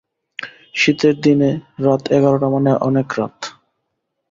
শীতের দিনে রাত এগারটা মানে অনেক রাত।